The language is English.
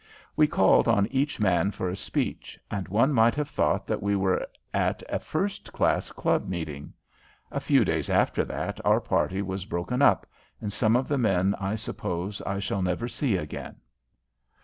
We called on each man for a speech, and one might have thought that we were at a first class club meeting. A few days after that our party was broken up and some of the men I suppose I shall never see again.